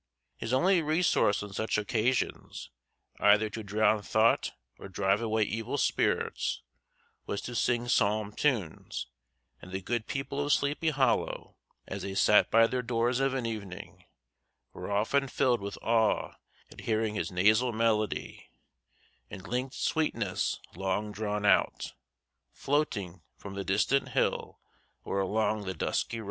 His only resource on such occasions, either to drown thought or drive away evil spirits, was to sing psalm tunes; and the good people of Sleepy Hollow, as they sat by their doors of an evening, were often filled with awe at hearing his nasal melody, "in linked sweetness long drawn out," floating from the distant hill or along the dusky road.